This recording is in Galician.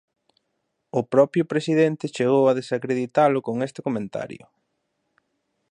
O propio presidente chegou a desacreditala con este comentario...